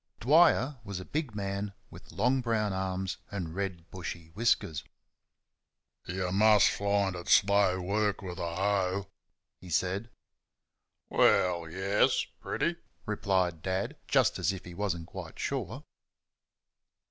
Dwyer was a big man with long, brown arms and red, bushy whiskers. "You must find it slow work with a hoe?" he said. "Well yes pretty," replied Dad (just as if he was n't quite sure).